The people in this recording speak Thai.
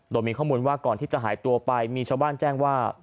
โดยมีข้อมูลว่าก่อนที่จะหายตัวไปมีชาวบ้านแจ้งว่า